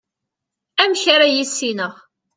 amek ara yissineɣ